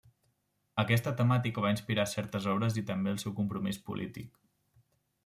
Aquesta temàtica va inspirar certes obres i també el seu compromís polític.